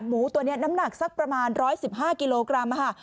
หมูตัวนี้น้ำหนักสักประมาณ๑๑๕กิโลกรัมค่ะ